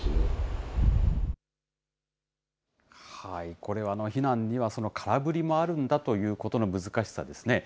これは避難には空振りもあるんだということの難しさですね。